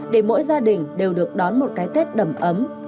để mỗi gia đình đều được đón một cái tết đầm ấm ý nghĩa và đoàn viên